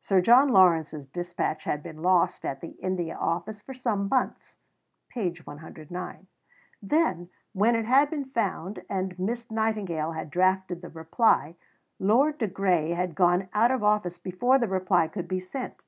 Sir John Lawrence's dispatch had been lost at the India Office for some months (p. 109). Then, when it had been found and Miss Nightingale had drafted the reply, Lord de Grey had gone out of office before the reply could be sent (p.